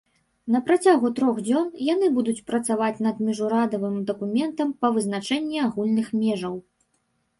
На працягу трох дзён яны будуць працаваць над міжурадавым дакументам па вызначэнні агульных межаў.